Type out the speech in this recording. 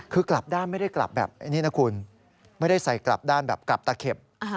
คือกลับด้านไม่ได้กลับแบบนี้นะคุณไม่ได้ใส่กลับด้านแบบกลับตะเข็บ